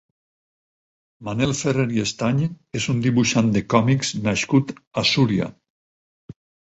Manel Ferrer i Estany és un dibuixant de còmics nascut a Súria.